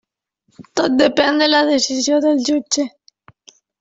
Tot depèn de la decisió del jutge.